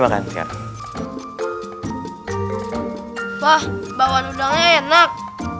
bakwan udangnya enak